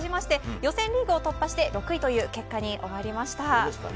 予選リーグを突破して、６位という結果に終わりました。